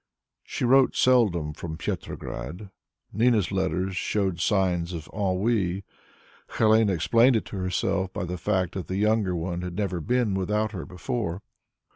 She wrote seldom from Petrograd; Nina's letters showed signs of ennui; Helene explained it to herself by the fact that the younger one had never been without her before.